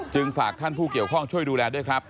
ฝากท่านผู้เกี่ยวข้องช่วยดูแลด้วยครับ